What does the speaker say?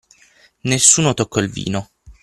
nessuno toccò il vino.